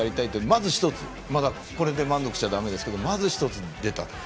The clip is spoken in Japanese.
まず１つ、まだこれで満足しちゃだめですけどまず１つ出たと。